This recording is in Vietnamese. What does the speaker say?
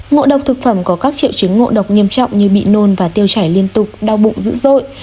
ngộ độc thực phẩm có các triệu chứng ngộ độc nghiêm trọng như bị nôn và tiêu chảy liên tục đau bụng dữ dội